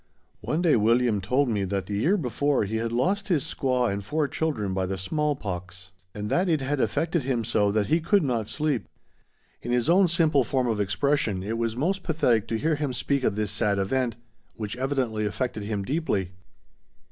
One day William told me that the year before he had lost his squaw and four children by the smallpox, and that it had affected him so that he could not sleep. In his own simple form of expression, it was most pathetic to hear him speak of this sad event, which evidently affected him deeply.